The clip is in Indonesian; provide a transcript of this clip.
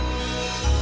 mau yeket lagi